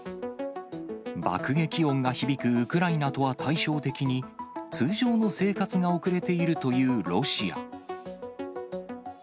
爆撃音が響くウクライナとは対照的に、通常の生活が送れているというロシア。